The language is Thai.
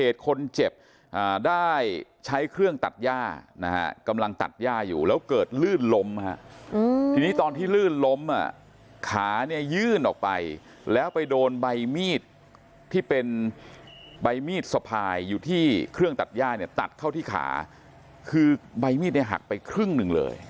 ตัดเข้าที่ขาคือใบมีดเนี่ยหักไปครึ่งหนึ่งเลย